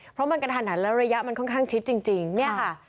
เพราะมันกระทันหันแล้วระยะมันค่อนข้างชิดจริงเนี่ยค่ะ